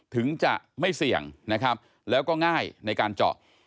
ถึงจะไม่เสี่ยงนะครับแล้วก็ง่ายในการเจาะ